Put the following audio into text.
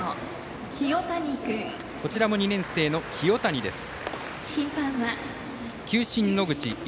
こちらも２年生の清谷です。